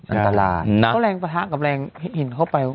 อันตรายเพราะแรงปะทะกับแรงเห็นเข้าไป